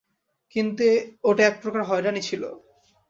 কিন্তু ওটা এক প্রকার হয়রানি ছিল।